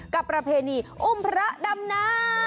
กับประเพณีอุ้มพระดำน้ำ